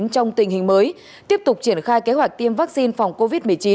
trong tình hình mới tiếp tục triển khai kế hoạch tiêm vaccine phòng covid một mươi chín